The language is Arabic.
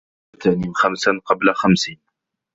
اغْتَنِمْ خَمْسًا قَبْلَ خَمْسٍ